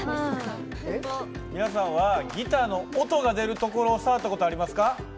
皆さんはギターの音が出るところ触った事ありますか？